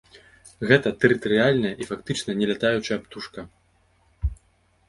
Гэта тэрытарыяльная і фактычна не лятаючая птушка.